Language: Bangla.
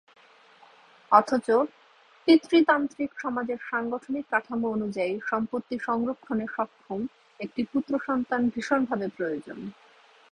অথচ পিতৃতান্ত্রিক সমাজের সাংগঠনিক কাঠামো অনুযায়ী, সম্পত্তি সংরক্ষণে সক্ষম একটি পুত্রসন্তান ভীষণভাবে প্রয়োজন।